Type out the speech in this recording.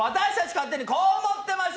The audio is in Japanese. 勝手にこう思ってました！